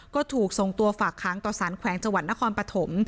ก็ถูกส่งตัวฝากค้างต่อสารแขวงจังหวัดนครปฐม